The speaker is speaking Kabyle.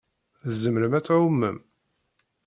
Tzemrem ad tɛumem?